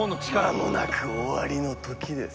まもなく終わりの時です。